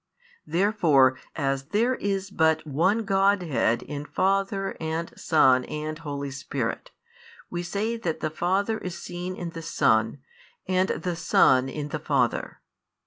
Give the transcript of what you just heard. Therefore, as there is but One Godhead in Father and Son and Holy Spirit, we say that the Father is seen in the Son, and the Son in the Father.